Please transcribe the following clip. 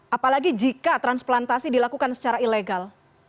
apalagi jika transplantasi dilakukan secara ilegal